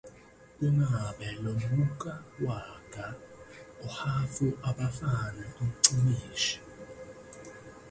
Kungabe lo mugqa wakha ohhafu abafana ncimishi?